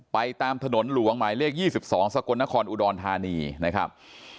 ไปตามถนนหลวงหมายเลขยี่สิบสองสกนครอุดรธานีนะครับ